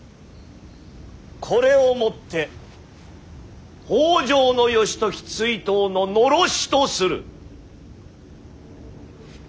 これをもって北条義時追討の狼煙とする。